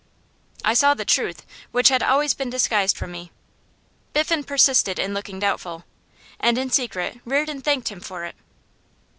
'I saw the truth, which had always been disguised from me.' Biffen persisted in looking doubtful, and in secret Reardon thanked him for it.